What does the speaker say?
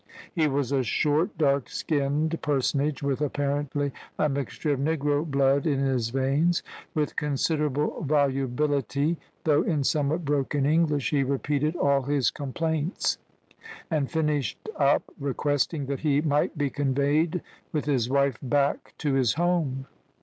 He was a short, dark skinned personage, with apparently a mixture of negro blood in his veins. With considerable volubility, though in somewhat broken English, he repeated all his complaints, and finished up, requesting that he might be conveyed, with his wife, back to his home.